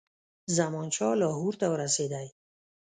زمانشاه لاهور ته ورسېدی.